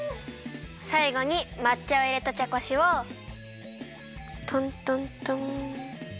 さいごにまっ茶をいれたちゃこしをトントントン。